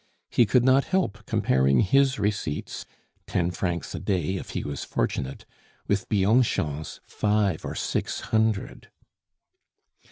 He could not help comparing his receipts (ten francs a day if he was fortunate) with Bianchon's five or six hundred.